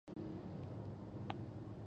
تکه سپینه لکه بته جګه غاړه